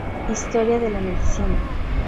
Historia de la Medicina.